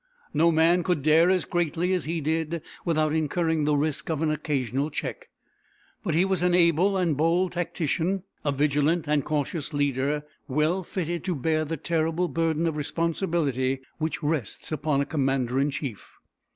No man could dare as greatly as he did without incurring the risk of an occasional check; but he was an able and bold tactician, a vigilant and cautious leader, well fitted to bear the terrible burden of responsibility which rests upon a commander in chief.